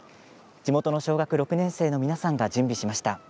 地元の小学６年生の皆さんが準備しました。